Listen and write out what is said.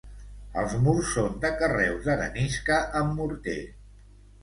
Els murs són de carreus d'arenisca amb morter.